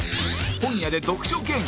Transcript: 本屋で読書芸人